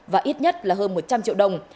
và ít nhất là hơn một trăm linh triệu đồng